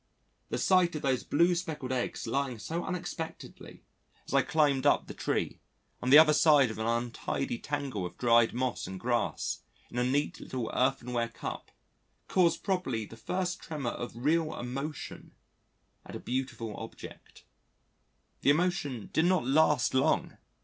The sight of those blue speckled eggs lying so unexpectedly, as I climbed up the tree, on the other side of an untidy tangle of dried moss and grass, in a neat little earthenware cup, caused probably the first tremor of real emotion at a beautiful object. The emotion did not last long!